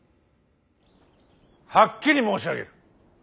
はっきり申し上げる。